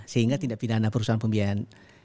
sehingga tindak pidana perusahaan pembiayaan